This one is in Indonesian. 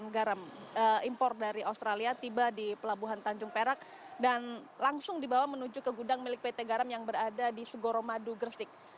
garam impor dari australia tiba di pelabuhan tanjung perak dan langsung dibawa menuju ke gudang milik pt garam yang berada di sugoro madu gresik